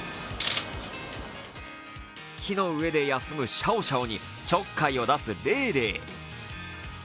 木の上で休むシャオシャオにちょっかいを出すレイレイ。